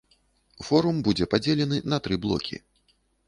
Форум будзе падзелены на тры блокі.